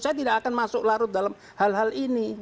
saya tidak akan masuk larut dalam hal hal ini